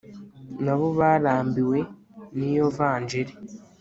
nabo barambiwe niyo vanjili